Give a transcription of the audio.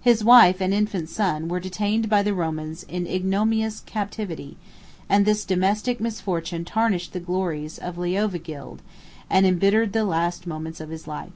His wife and infant son were detained by the Romans in ignominious captivity; and this domestic misfortune tarnished the glories of Leovigild, and imbittered the last moments of his life.